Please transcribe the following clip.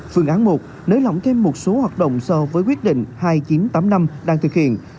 phương án một nới lỏng thêm một số hoạt động so với quyết định hai nghìn chín trăm tám mươi năm đang thực hiện